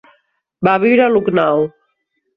Va viure a Lucknow.